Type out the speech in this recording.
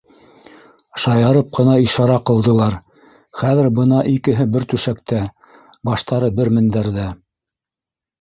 Шаярып ҡына ишара ҡылдылар - хәҙер бына икеһе бер түшәктә, баштары - бер мендәрҙә.